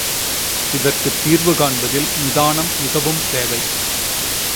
இதற்குத் தீர்வு காண்பதில் நிதானம் மிகுதியும் தேவை.